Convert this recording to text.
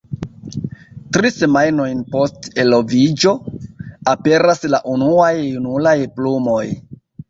Tri semajnojn post eloviĝo, aperas la unuaj junulaj plumoj.